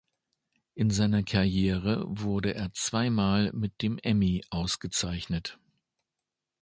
In seiner Karriere wurde er zweimal mit dem Emmy ausgezeichnet.